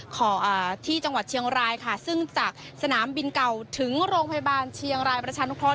ขอที่จังหวัดเชียงรายค่ะซึ่งจากสนามบินเก่าถึงโรงพยาบาลเชียงรายประชานุเคราะ